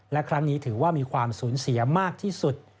และครั้งนี้ถือว่ามีความสูญเสียมากที่สุด